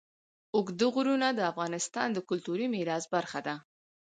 اوږده غرونه د افغانستان د کلتوري میراث برخه ده.